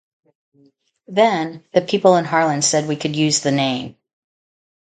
Then the people in Harlan said we could use the name.